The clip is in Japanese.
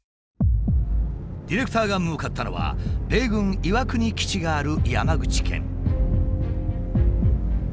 ディレクターが向かったのは米軍岩国基地がある山口県。